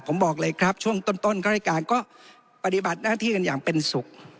ผมบอกเลยครับช่วงต้นข้าราชการก็ปฏิบัติหน้าที่กันอย่างเป็นสุข